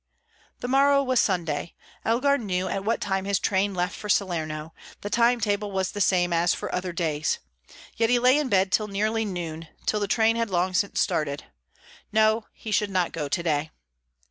The morrow was Sunday. Elgar knew at what time his tram left for Salerno; the time table was the same as for other days. Yet he lay in bed till nearly noon, till the train had long since started. No, he should not go to day.